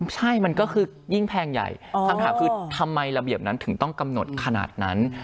ใช่มันก็คือยิ่งแพงใหญ่คำถามคือทำไมระเบียบนั้นถึงต้องกำหนดขนาดนั้น